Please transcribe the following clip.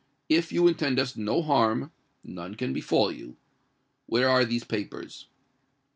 If you intend us no harm—none can befall you. Where are these papers?"